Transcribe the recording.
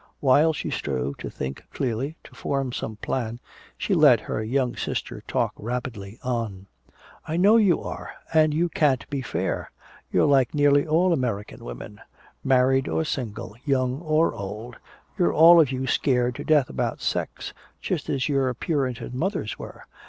While she strove to think clearly, to form some plan, she let her young sister talk rapidly on: "I know you are! And you can't be fair! You're like nearly all American women married or single, young or old you're all of you scared to death about sex just as your Puritan mothers were!